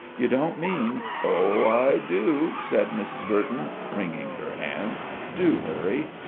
"You don't mean " "Oh, I do!" said Mrs. Burton, wringing her hands. "Do hurry!"